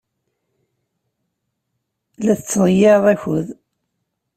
La tettḍeyyiɛeḍ akud.